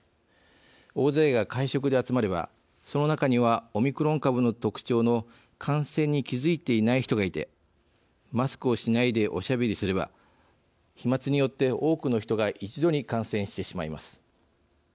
大勢が会食で集まればその中にはオミクロン株の特徴の感染に気付いていない人がいてマスクをしないでおしゃべりすれば飛まつによって多くの人が一度に感染してしまいます。